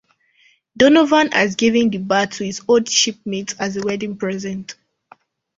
Donovan has given the bar to his old shipmate as a wedding present.